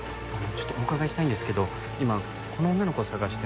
ちょっとお伺いしたいんですけど今この女の子を捜してまして。